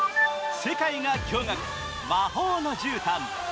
世界が驚がく、魔法のじゅうたん。